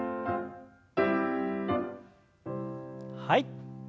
はい。